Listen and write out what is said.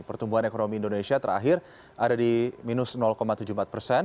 pertumbuhan ekonomi indonesia terakhir ada di minus tujuh puluh empat persen